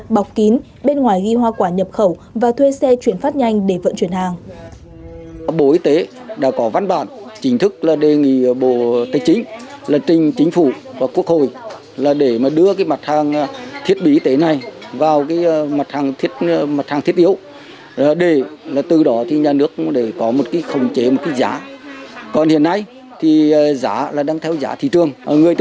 bọc kín bên ngoài ghi hoa quả nhập khẩu và thuê xe chuyển phát nhanh để vận chuyển hàng